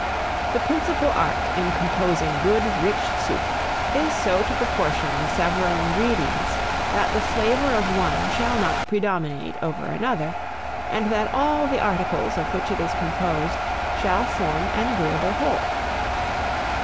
The principal art in composing good rich soup, is so to proportion the several ingredients that the flavour of one shall not predominate over another, and that all the articles of which it is composed, shall form an agreeable whole.